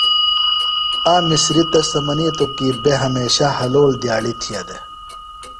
آک مسریۡ تس تھےۡ منِیتوۡ کی بےۡ ہمیشہ حلول دِیاڑی تِھیہ دےۡ۔